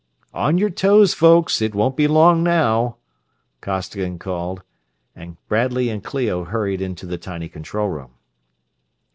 "On your toes, folks it won't be long now!" Costigan called, and Bradley and Clio hurried into the tiny control room.